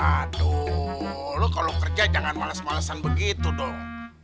waduh lo kalau kerja jangan males malesan begitu dong ya